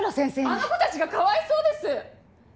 あの子たちがかわいそうです！